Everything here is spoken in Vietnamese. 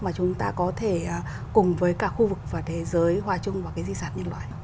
mà chúng ta có thể cùng với cả khu vực và thế giới hòa chung vào cái di sản nhân loại